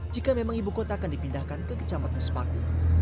jika memang ibu kota akan dipindahkan ke kecamatan sepaku